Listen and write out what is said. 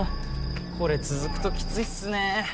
これ続くときついっすね。